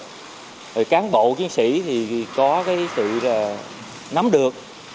các cán bộ chiến sĩ có sự nắm đường